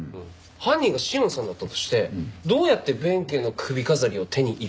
犯人が紫苑さんだったとしてどうやって弁慶の首飾りを手に入れたのか。